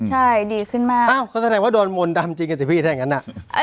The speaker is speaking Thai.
ใช่ดีขึ้นมากอ้าวเขาแสดงว่าโดนมนต์ดำจริงกันสิพี่ถ้าอย่างนั้นอ่ะ